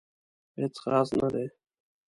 هیڅ خاص نه دي